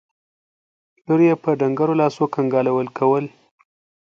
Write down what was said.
لور يې په ډنګرو لاسو کنګالول کول.